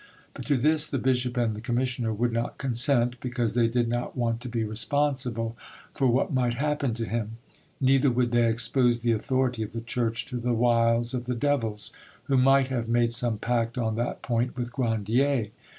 But to this the bishop and the commissioner would not consent, because they did not want to be responsible for what might happen to him, neither would they expose the authority of the Church to the wiles of the devils, who might have made some pact on that point with Grandier.